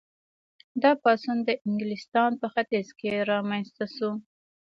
دا پاڅون د انګلستان په ختیځ کې رامنځته شو.